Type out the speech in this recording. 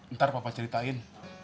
ntar papa ceritain